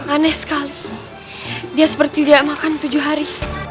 aneh sekali dia seperti tidak makan tujuh hari